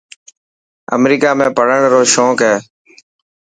امريڪا ۾ پڙهڻ رو شونيڪ هي.